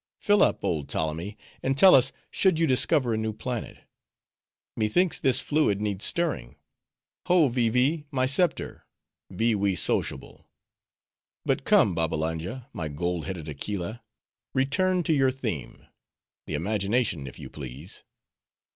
Fill up, old Ptolemy, and tell us should you discover a new planet. Methinks this fluid needs stirring. Ho, Vee Vee, my scepter! be we sociable. But come, Babbalanja, my gold headed aquila, return to your theme;—the imagination, if you please."